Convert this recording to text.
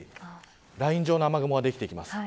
ライン状の雨雲ができてきます。